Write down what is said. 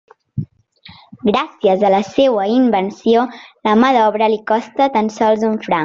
Gràcies a la seua invenció, la mà d'obra li costa tan sols un franc.